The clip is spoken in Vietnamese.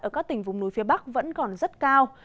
ở các tỉnh vùng núi phía bắc vẫn còn rất cao